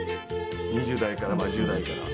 ２０代からまあ１０代から。